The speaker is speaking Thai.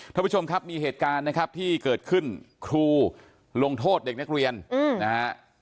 ท่านผู้ชมครับมีเหตุการณ์นะครับที่เกิดขึ้นครูลงโทษเด็กนักเรียนนะฮะ